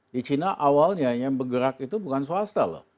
di china awalnya yang bergerak itu bukan swasta loh